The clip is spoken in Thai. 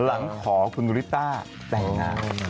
หลังขอคุณริต้าแต่งงาน